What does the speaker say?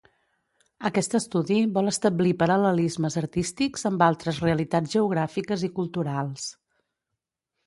Aquest estudi vol establir paral·lelismes artístics amb altres realitats geogràfiques i culturals.